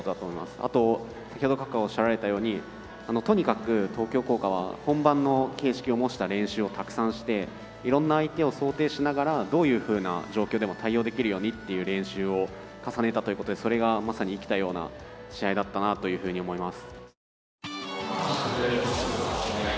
あと先ほど閣下がおっしゃられたようにとにかく東京工科は本番の形式を模した練習をたくさんしていろんな相手を想定しながらどういうふうな状況でも対応できるようにっていう練習を重ねたということでそれがまさに生きたような試合だったなというふうに思います。